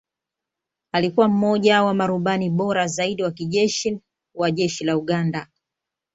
Alikuwa mmoja wa marubani bora zaidi wa kijeshi wa Jeshi la Uganda